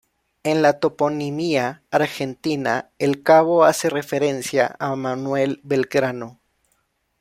En la toponimia argentina el cabo hace referencia a Manuel Belgrano.